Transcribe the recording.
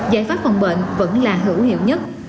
giải pháp phòng bệnh vẫn là hữu hiệu nhất